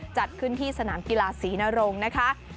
จัดขึ้นที่สนามกีฬาศรีนรงค์นะคะ